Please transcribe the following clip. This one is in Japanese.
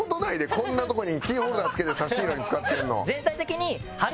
こんなとこにキーホルダーつけて差し色に使ってるの。